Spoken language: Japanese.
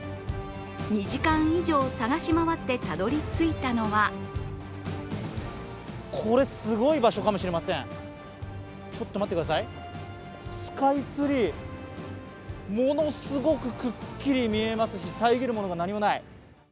２時間以上、探し回ってたどり着いたのはこれ、すごい場所かもしれませんスカイツリー、ものすごくくっきり見えますし遮るものが何もない。